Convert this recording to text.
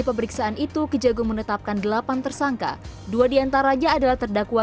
pemeriksaan itu kejagung menetapkan delapan tersangka dua diantaranya adalah terdakwa